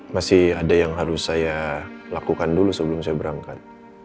masih ada yang harus saya lakukan dulu sebelum saya berangkat